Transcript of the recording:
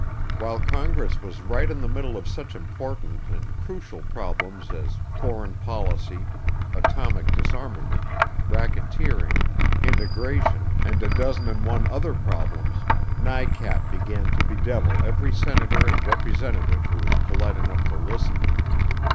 While Congress was right in the middle of such important and crucial problems as foreign policy, atomic disarmament, racketeering, integration and a dozen and one other problems, NICAP began to bedevil every senator and representative who was polite enough to listen.